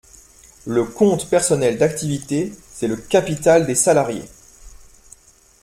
Le compte personnel d’activité, c’est le capital des salariés.